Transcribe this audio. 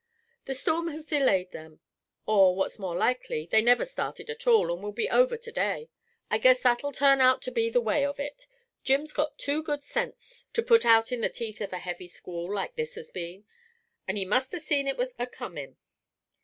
"The storm has delayed them, or, what's more likely, they never started at all, and will be over to day. I guess that'll turn out to be the way of it. Jim's got too good sense to put out in the teeth of a heavy squall like this has been. An' he must ha' seen it was a comin'.